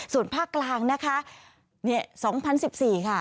ส่วนภาคกลางนะคะเนี่ยสองพันสิบสี่ค่ะ